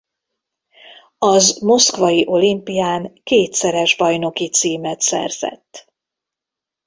Az moszkvai olimpián kétszeres bajnoki címet szerzett.